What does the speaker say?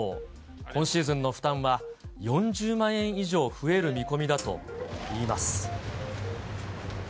今シーズンの負担は４０万円以上増える見込みだといいます。